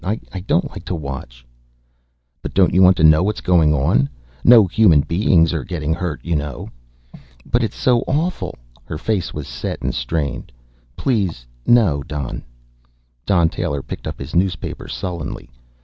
I don't like to watch." "But don't you want to know what's going on? No human beings are getting hurt, you know." "But it's so awful!" Her face was set and strained. "Please, no, Don." Don Taylor picked up his newspaper sullenly.